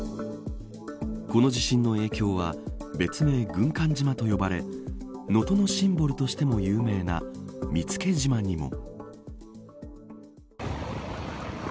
この地震の影響は別名、軍艦島と呼ばれ能登のシンボルとしても有名な見附島にも。